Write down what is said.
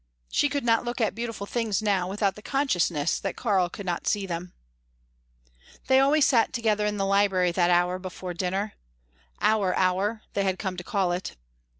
She could not look at beautiful things now without the consciousness that Karl could not see them. They always sat together in the library that hour before dinner "our hour" they had come to call it.